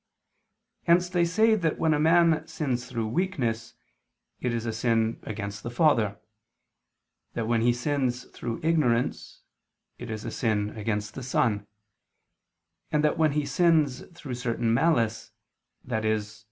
Hence they say that when a man sins through weakness, it is a sin "against the Father"; that when he sins through ignorance, it is a sin "against the Son"; and that when he sins through certain malice, i.e.